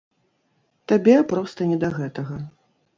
Табе проста не да гэтага.